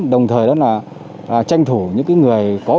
đồng thời tranh thủ những người có uyên